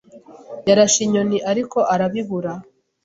Yarashe inyoni, ariko arabibura.